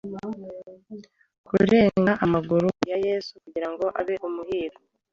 Kurenga amaguru ya Yesu kugirango abe umuhigo